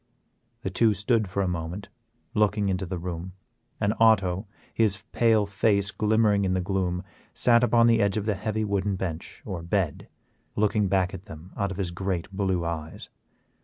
The two stood for a moment looking into the room, and Otto, his pale face glimmering in the gloom, sat upon the edge of the heavy wooden bench or bed, looking back at them out of his great blue eyes.